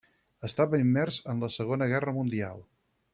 Estava immers en la Segona Guerra Mundial.